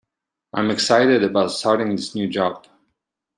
I'm excited about starting this new job.